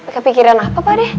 kepikiran apa pak deh